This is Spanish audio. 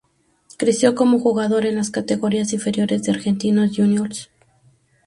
Creció como jugador en las categorías inferiores de Argentinos Juniors.